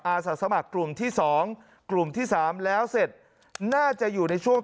อาสาสมัครกลุ่มที่๒กลุ่มที่๓แล้วเสร็จน่าจะอยู่ในช่วง